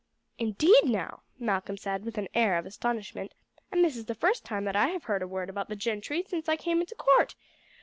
"Indeed, now," Malcolm said with an air of astonishment, "and this is the first time that I have heard a word about the gentry since I came into the court.